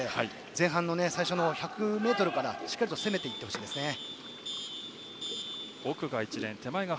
前半の最初の１００ｍからしっかり攻めてほしいですね。